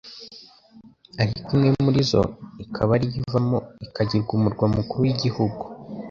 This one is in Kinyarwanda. ariko imwe muri zo akaba ariyo ivamo ikagirwa umurwa mukuru w'igihugu.